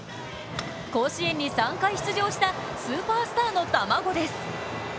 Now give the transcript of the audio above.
甲子園に３回出場したスーパースターの卵です。